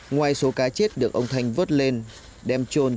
ngoài số cá chết được ông thanh vớt lên đem trôn